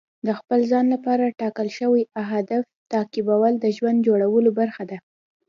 د خپل ځان لپاره ټاکل شوي اهداف تعقیبول د ژوند جوړولو برخه ده.